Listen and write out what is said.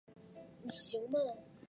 也有人种来观赏。